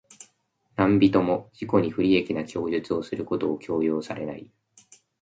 何人（なんびと）も自己に不利益な供述をすることを強要されない。